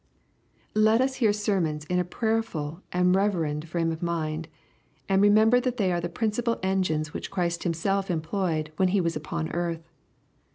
Let us hear sermons in a prayerful and reverend frame of mind^ and remember that they are the principal engines which Christ Himself employed, when He was upon earth.